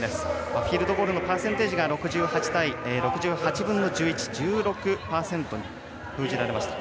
フィールドゴールパーセンテージが６８分の１１１６％に封じられました。